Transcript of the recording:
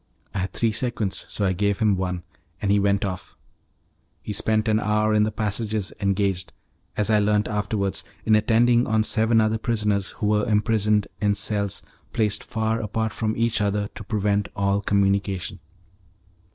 I had three sequins so I gave him one, and he went off. He spent an hour in the passages engaged, as I learnt afterwards, in attending on seven other prisoners who were imprisoned in cells placed far apart from each other to prevent all communication.